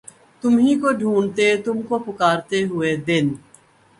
تمہی کو ڈھونڈتے تم کو پکارتے ہوئے دن